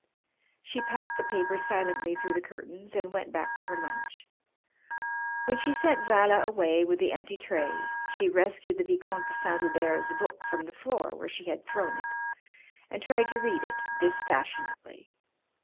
She passed the paper silently through the curtains and went back to her lunch. When she sent Zilah away with the empty tray she rescued the Vicomte de Saint Hubert's book from the floor where she had thrown it and tried to read it dispassionately.